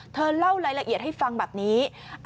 เล่ารายละเอียดให้ฟังแบบนี้